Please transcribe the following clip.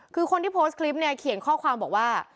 คือคนที่โพสต์คลิปเนี่ยเขียนข้อความบอกว่า